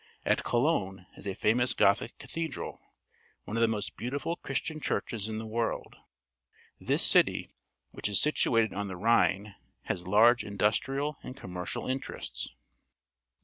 At Cologne is a famous Go thic cathe dral — one of the most "beautifiil Christian churches in the world. This city, which is AUSTRIA situated on the Rhine, has large industrial and commercial interests.